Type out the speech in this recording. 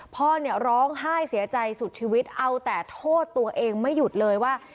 พ่อเนี่ยร้องไห้เสียใจสุดชีวิตเอาแต่โทษตัวเองไม่หยุดเลยว่า